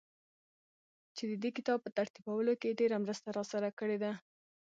چي ددې کتاب په ترتيبولو کې يې ډېره مرسته راسره کړې ده.